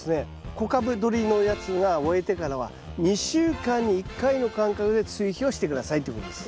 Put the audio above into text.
小株どりのやつが終えてからは２週間に１回の間隔で追肥をして下さいということです。